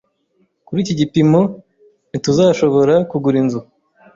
Kuri iki gipimo, ntituzashobora kugura inzu.